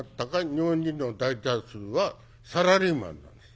日本人の大多数はサラリーマンなんです。